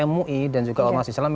mui dan juga ormas islam